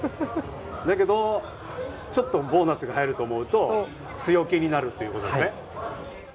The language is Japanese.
だけどちょっとボーナスが入ると思うと強気になるっていうことですね。